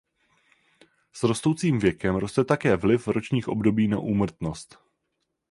S rostoucím věkem roste také vliv ročních období na úmrtnost.